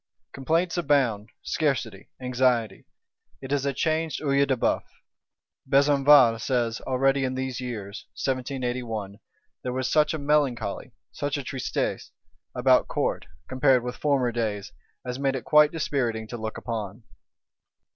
Complaints abound; scarcity, anxiety: it is a changed Œil de Bœuf. Besenval says, already in these years (1781) there was such a melancholy (such a tristesse) about Court, compared with former days, as made it quite dispiriting to look upon.